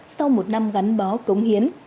sau một năm gắn bó cống hiến